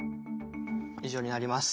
以上になります。